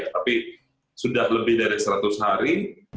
tapi sudah lebih dari seratus hari